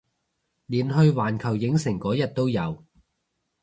連去環球影城嗰日都有